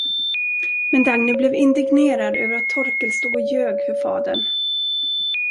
Men Dagny blev indignerad över att Torkel stod och ljög för fadern.